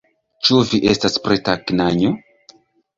Ĉu vi estas preta, knanjo?